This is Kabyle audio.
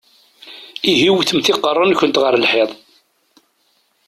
Ihi wwtemt iqeṛṛa-nkent ɣer lḥiḍ!